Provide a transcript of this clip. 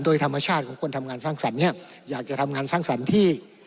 โดยธรรมชาติของคนทำงานสร้างสรรค์เนี่ยอยากจะทำงานสร้างสรรค์ที่